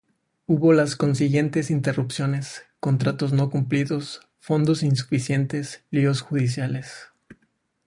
Hubo las consiguientes interrupciones, contratos no cumplidos, fondos insuficientes, líos judiciales.